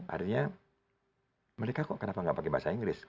artinya mereka kok kenapa nggak pakai bahasa inggris